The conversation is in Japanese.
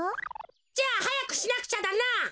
じゃあはやくしなくちゃだな！